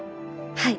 はい。